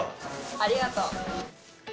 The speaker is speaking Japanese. ありがとう。